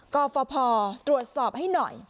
กฟพตรวจสอบให้หน่อย